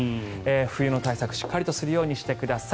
冬の対策をしっかりとするようにしてください。